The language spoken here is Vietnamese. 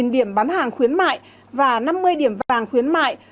một điểm bán hàng khuyến mại và năm mươi điểm vàng khuyến mại